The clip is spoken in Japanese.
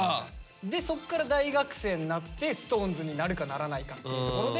そっから大学生になってＳｉｘＴＯＮＥＳになるかならないかっていうところで。